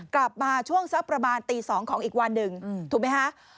กลับมาช่วงสักประมาณตี๒ของอีกวันหนึ่งถูกไหมคะ